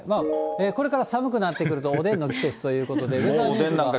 これから寒くなってくると、おでんの季節ということで、ウェザーニューズが。